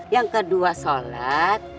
yang kedua sholat